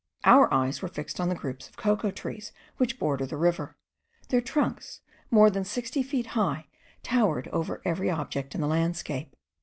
Our eyes were fixed on the groups of cocoa trees which border the river: their trunks, more than sixty feet high, towered over every object in the landscape.